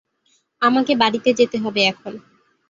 আমাকে বাড়ীতে যেতে হবে এখন।